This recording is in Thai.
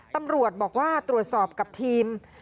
ตำรวจบอกว่าตรวจสอบกับทีม